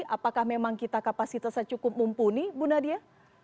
apakah memang kita kapasitasnya cukup mumpuni bu nadia